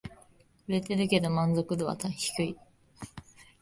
売れてるけど満足度は低い